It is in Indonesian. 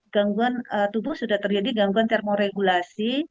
gangguan tubuh sudah terjadi gangguan termoregulasi